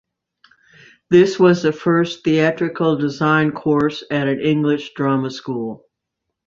This was the first theatrical design course at an English drama school.